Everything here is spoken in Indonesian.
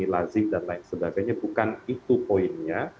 terkait dengan hal ini lazim dan lain sebagainya bukan itu poinnya